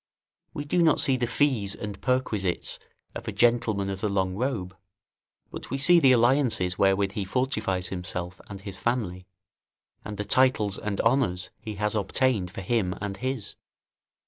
We do not see the fees and perquisites of a gentleman of the long robe; but we see the alliances wherewith he fortifies himself and his family, and the titles and honours he has obtained for him and his.